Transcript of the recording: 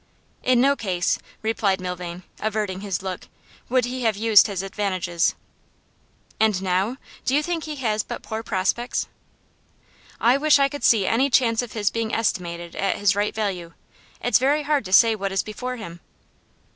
'In no case,' replied Milvain, averting his look, 'would he have used his advantages.' 'And now? Do you think he has but poor prospects?' 'I wish I could see any chance of his being estimated at his right value. It's very hard to say what is before him.